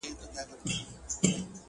د خوني کونج کي یو نغری دی پکښي اور بلیږي،